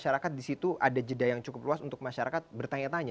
jadi masyarakat di situ ada jeda yang cukup luas untuk masyarakat bertanya tanya